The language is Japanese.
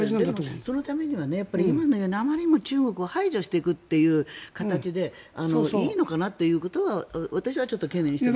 そのためには今のあまりにも中国を排除していくという形でいいのかなということは私は懸念しています。